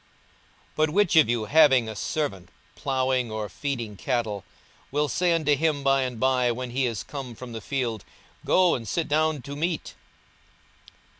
42:017:007 But which of you, having a servant plowing or feeding cattle, will say unto him by and by, when he is come from the field, Go and sit down to meat?